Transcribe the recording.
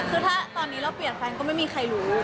คือถ้าตอนนี้เราเปลี่ยนแฟนก็ไม่มีใครรู้